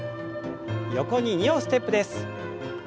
横に２歩ステップです。